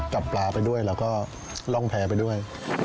ปลาไปด้วยแล้วก็ร่องแพ้ไปด้วย